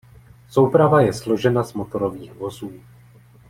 Souprava je složena z motorových vozů.